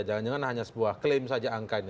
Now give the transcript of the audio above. jangan jangan hanya sebuah klaim saja angka ini